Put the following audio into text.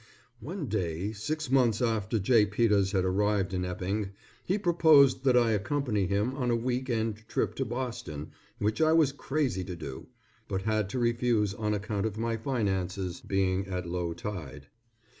One day, six months after J. Peters had arrived in Epping, he proposed that I accompany him on a week end trip to Boston which I was crazy to do, but had to refuse on account of my finances being at low tide.